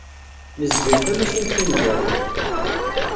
Nezgel tamacint taneggarut.